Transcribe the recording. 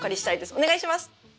お願いします。